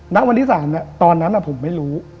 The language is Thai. ณวันที่๓ตอนนั้นผมไม่รู้